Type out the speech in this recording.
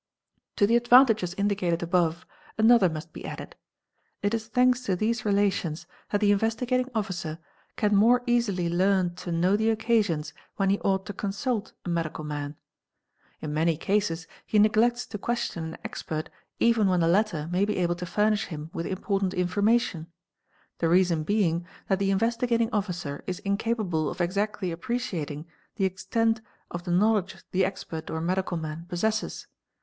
To the advantages indicated — above, another must be added; it is thanks to these relations that the — Investigating Officer can more easily learn to know the occasions when he — ought to consult a medical man. In many cases he neglects to question an expert even when the latter may be able to furnish him with im _ portant information ; the reason being that the Investigating Officer is — incapable of exactly appreciating the extent of the knowledge the expert or medical man possesses.